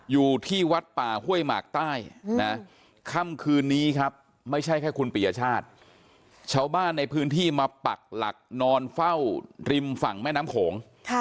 อยู่ที่วัดป่าห้วยหมากใต้นะค่ำคืนนี้ครับไม่ใช่แค่คุณปียชาติชาวบ้านในพื้นที่มาปักหลักนอนเฝ้าริมฝั่งแม่น้ำโขง